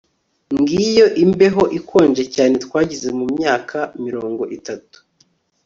ngiyo imbeho ikonje cyane twagize mumyaka mirongo itatu